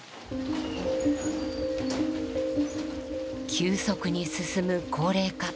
急速に進む高齢化。